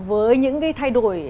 với những cái thay đổi